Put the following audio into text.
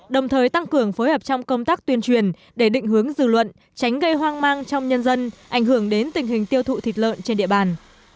đồng thời tăng cường phối hợp trong công tác tuyên truyền để định hướng dư luận tránh gây hoang mang trong nhân dân ảnh hưởng đến tình hình tiêu thụ thịt lợn trên địa bàn